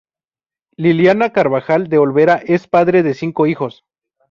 Liliana Carbajal de Olvera, es padre de cinco hijos.